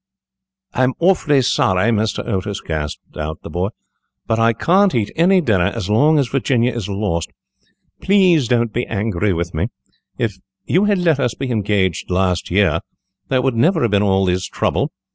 "I'm awfully sorry, Mr. Otis," gasped out the boy, "but I can't eat any dinner as long as Virginia is lost. Please don't be angry with me; if you had let us be engaged last year, there would never have been all this trouble.